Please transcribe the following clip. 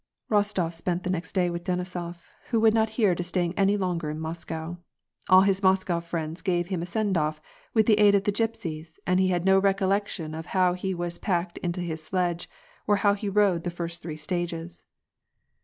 Rostof spent the next day with Denisof, who would not hear to staying any longer in Moscow. AU his Moscow friends gave him a send off, with the aid of the gypsies, and he had no recollection of how he was packed into his sledge, or how he rode the first three stages.